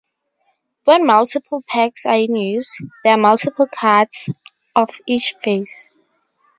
When multiple packs are in use, there are multiple cards of each face.